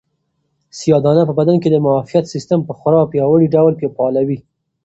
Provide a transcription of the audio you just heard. سیاه دانه په بدن کې د معافیت سیسټم په خورا پیاوړي ډول فعالوي.